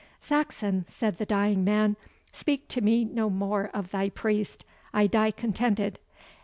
"Saxon," said the dying man, "speak to me no more of thy priest I die contented.